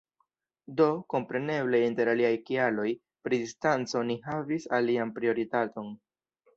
Do, kompreneble inter aliaj kialoj, pri distanco ni havis alian prioritaton.